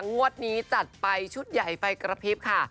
งวดนี้จัดไปชุดใหญ่ไฟกระพริบค่ะ